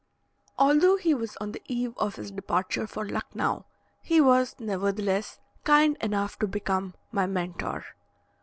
Although he was on the eve of his departure for Lucknau, he was, nevertheless, kind enough to become my Mentor.